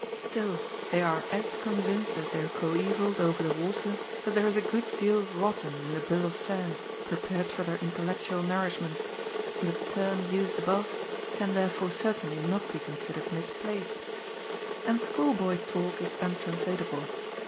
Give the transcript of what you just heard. Still, they are as convinced as their coevals over the water that there is a good deal rotten in the bill of fare prepared for their intellectual nourishment, and the term used above can therefore certainly not be considered misplaced. And schoolboy talk is untranslatable.